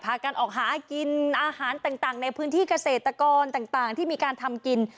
กันออกหากินอาหารต่างในพื้นที่เกษตรกรต่างที่มีการทำกิน